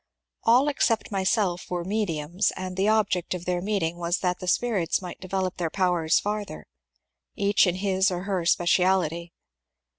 All except myself were ^^ mediums," and the object of their meeting was that the spirits might develop their powers farther, — each in his or her specialty.